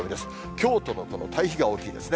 きょうとの対比が大きいですね。